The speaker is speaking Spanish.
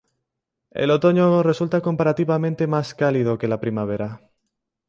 El otoño resulta comparativamente más cálido que la primavera.